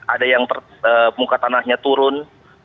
ada yang muka tanahnya turun